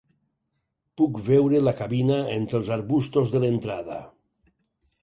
Puc veure la cabina entre els arbustos de l'entrada.